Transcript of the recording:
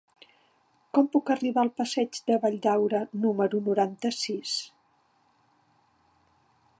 Com puc arribar al passeig de Valldaura número noranta-sis?